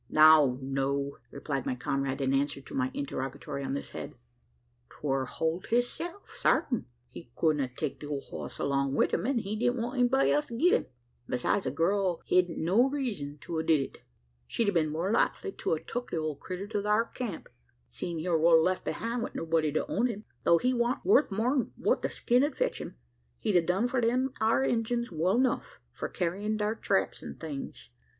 "No, no!" replied my comrade, in answer to my interrogatory on this head: "'twar Holt hisself, sartin. He culdn't take the old hoss along wi' him, an' he didn't want anybody else to git him. Besides, the girl hedn't no reezun to a did it. She'd a been more likely to a tuk the old critter to thar camp seein' he war left behind wi' nobody to own him. Tho' he wan't worth more'n what the skin 'ud fetch, he'd adone for them ar Injuns well enuf, for carryin' thar traps an' things.